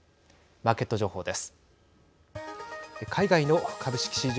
マーケット情報です。